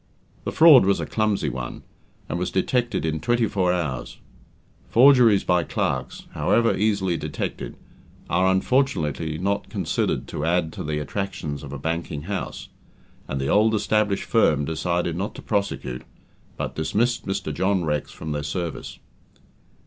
The fraud was a clumsy one, and was detected in twenty four hours. Forgeries by clerks, however easily detected, are unfortunately not considered to add to the attractions of a banking house, and the old established firm decided not to prosecute, but dismissed Mr. John Rex from their service.